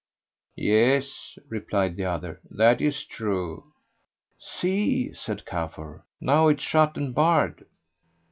"Yes," replied the other, "that is true.'' "See," said Kafur, "now it is shut and barred."